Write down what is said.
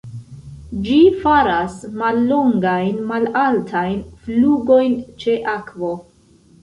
Ĝi faras mallongajn malaltajn flugojn ĉe akvo.